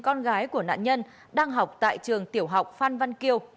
con gái của nạn nhân đang học tại trường tiểu học phan văn kiều